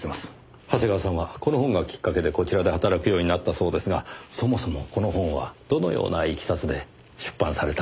長谷川さんはこの本がきっかけでこちらで働くようになったそうですがそもそもこの本はどのような経緯で出版されたのでしょう？